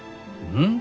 ん？